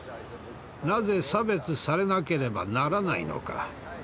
なぜ差別されなければならないのか。